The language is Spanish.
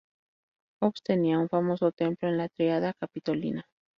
Ops tenía un famoso templo en la tríada capitolina.